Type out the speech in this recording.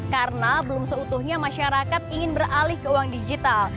karena belum seutuhnya masyarakat ingin beralih ke uang digital